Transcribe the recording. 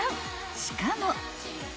［しかも］